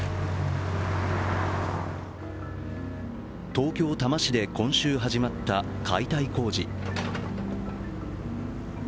東京・多摩市で今週始まった解体工事。